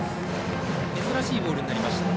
珍しいボールになりました。